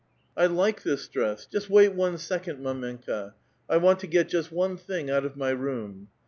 '*" I like this dress. Just wait one second, mdmenka; I want to get just one thing out of my room."